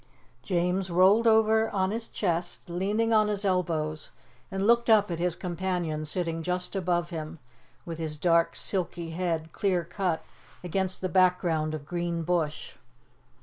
James rolled over on his chest, leaning on his elbows, and looked up at his companion sitting just above him with his dark, silky head clear cut against the background of green bush.